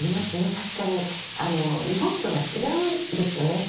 確かに日本とは違うんですよね。